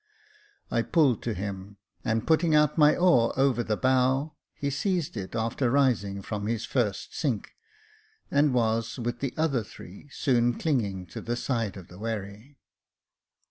I pulled to him, and putting out my oar over the bow, he seized it after rising from his first sink, and was, with the other three, soon clinging to the side of the wherry.